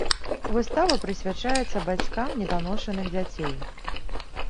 Выстава прысвячаецца бацькам неданошаных дзяцей.